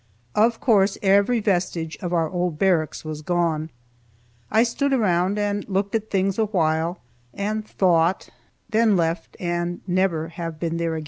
Of course, every vestige of our old barracks was gone. I stood around and looked at things awhile, and thought then left, and have never been there again.